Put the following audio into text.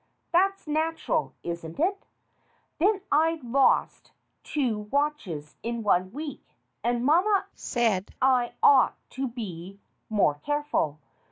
That's natural, isn't it? Then I lost two watches in one week, and mamma said I ought to be more careful.